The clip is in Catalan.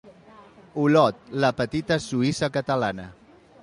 Olot, la petita Suïssa catalana.